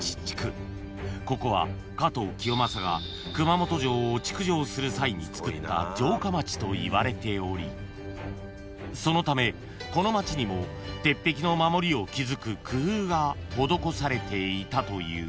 ［ここは加藤清正が熊本城を築城する際につくった城下町といわれておりそのためこの町にも鉄壁の守りを築く工夫が施されていたという］